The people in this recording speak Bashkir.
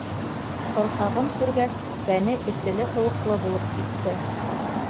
Ҡорһағын күргәс, тәне эҫеле-һыуыҡлы булып китте.